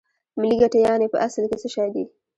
ملي ګټې یانې په اصل کې څه شی دي